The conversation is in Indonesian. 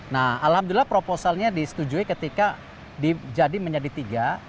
nah alhamdulillah proposalnya disetujui ketika jadi menjadi tiga